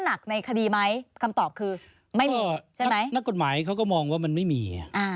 นักกฎหมายเขาก็มองว่ามันไม่มี